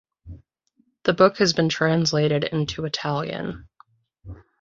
The book has been translated into Italian.